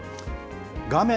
画面